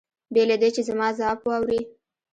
بې له دې چې زما ځواب واوري.